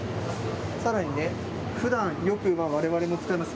さらに、ふだん、よくわれわれも使います